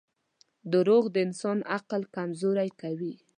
• دروغ د انسان عقل کمزوری کوي.